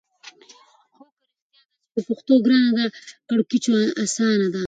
هو کې! رښتیا ده چې پښتو ګرانه ده کیړکیچو اسانه ده.